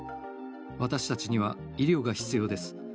私たちには医療が必要です。